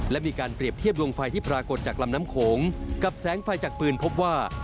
และมีการเปรียบเทียบดวงไฟที่ปรากฏจากลำน้ำโขงกับแสงไฟจากปืนพบว่า